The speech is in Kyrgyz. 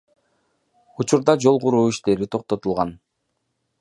Учурда жол куруу иштери токтотулган.